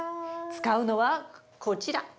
使うのはこちら。